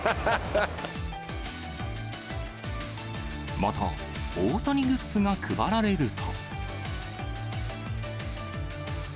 また、大谷グッズが配られると。